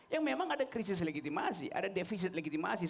yang memang ada krisis legitimasi ada defisit legitimasi